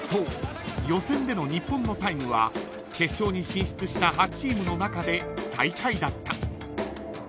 予選での日本のタイムは決勝に進出した８チームの中で最下位だった］